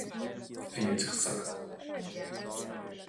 Bhí oideachas uirthi.